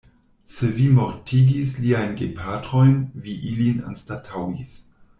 Se vi mortigis liajn gepatrojn, vi ilin anstataŭis.